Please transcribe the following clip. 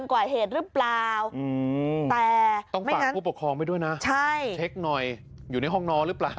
เช็คหน่อยอยู่ในห้องนอหรือเปล่า